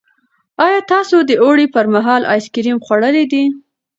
ایا تاسو د اوړي پر مهال آیس کریم خوړلي دي؟